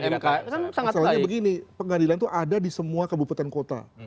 masalahnya begini pengadilan itu ada di semua kabupaten kota